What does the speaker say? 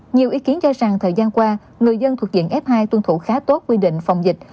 nhiều ý kiến cho rằng thời gian qua người dân thuộc diện f hai tuân thủ khá tốt quy định phòng dịch